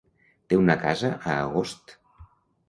Té una casa a Agost.